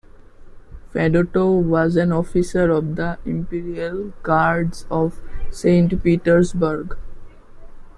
Fedotov was an officer of the Imperial Guards of Saint Petersburg.